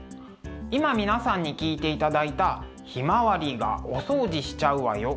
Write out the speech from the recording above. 今皆さんに聴いていただいた「ひまわりがお掃除しちゃうわよ」。